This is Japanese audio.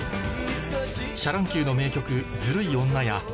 シャ乱 Ｑ の名曲『ズルい女』や